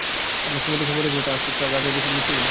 আপনার সমুদয় সম্পদের চেয়ে তাহার সুখ রাজার বেশি মনে হয়।